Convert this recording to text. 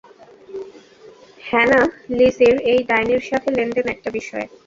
Hannah, লিজির ঐ ডাইনির সাথে লেনদেন একটা বিষয়।